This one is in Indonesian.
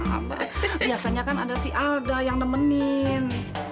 biasanya kan ada si alda yang nemenin